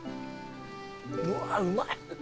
うわうまい。